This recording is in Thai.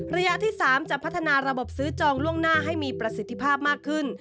ระยะที่๓จะพัฒนาระบบซื้อจองล่วงหน้าให้มีประสิทธิภาพมากขึ้น